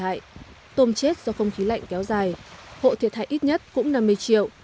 hại tôm chết do không khí lạnh kéo dài hộ thiệt hại ít nhất cũng năm mươi triệu